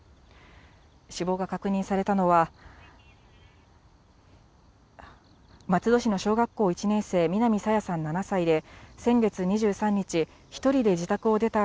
死亡が確認されたのは、松戸市の小学校１年生、南朝芽さん７歳で、先月２３日、１人で自宅を出た